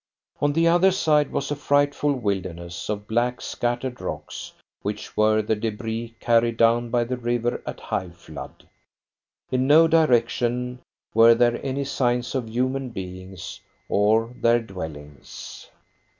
On the other side was a frightful wilderness of black, scattered rocks, which were the debris carried down by the river at high flood. In no direction were there any signs of human beings or their dwellings.